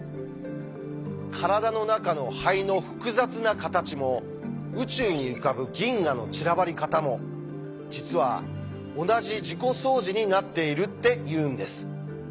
体の中の肺の複雑な形も宇宙に浮かぶ銀河の散らばり方も実は同じ自己相似になっているっていうんです。